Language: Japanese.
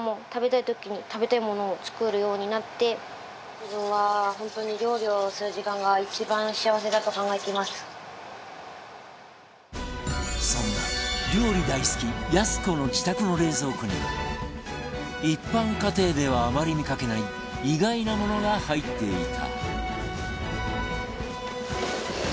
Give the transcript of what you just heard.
自分は本当にそんな料理大好きやす子の自宅の冷蔵庫には一般家庭ではあまり見かけない意外なものが入っていた